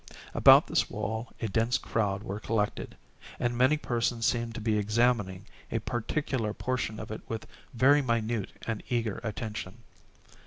About this wall a dense crowd were collected, and many persons seemed to be examining a particular portion of it with very minute and eager attention.